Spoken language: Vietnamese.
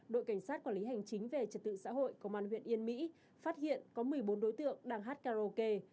đội cảnh sát quản lý hành chính về trật tự xã hội công an huyện yên mỹ phát hiện có một mươi bốn đối tượng đang hát karaoke